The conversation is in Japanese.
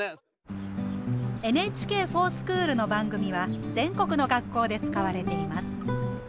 「ＮＨＫｆｏｒＳｃｈｏｏｌ」の番組は全国の学校で使われています。